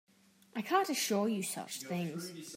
I can't assure you such things.